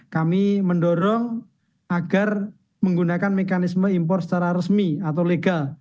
kami mendorong agar menggunakan mekanisme impor secara resmi atau legal